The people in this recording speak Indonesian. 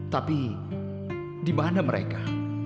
tapi di mana mereka